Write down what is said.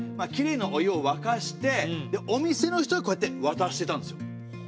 きれいなお湯をわかしてお店の人がこうやって渡してたんですよ。